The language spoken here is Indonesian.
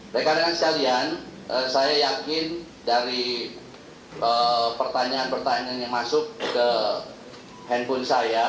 rekan rekan sekalian saya yakin dari pertanyaan pertanyaan yang masuk ke handphone saya